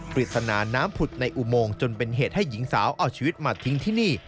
ปริศนาน้ำผุดในอุโมงจนเป็นเหตุให้หญิงสาวเอาชีวิตมาทิ้งที่นี่